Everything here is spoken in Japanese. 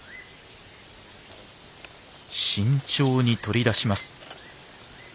慎重に取り出します。